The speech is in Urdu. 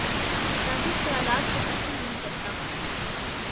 کتابی خیالات کو پسند نہیں کرتا